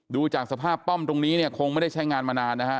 ดูจากสภาพป้อมตรงนี้เนี่ยคงไม่ได้ใช้งานมานานนะฮะ